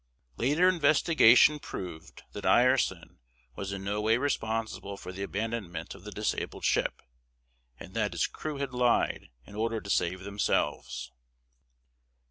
Later investigation proved that Ireson was in no way responsible for the abandonment of the disabled ship, and that his crew had lied in order to save themselves.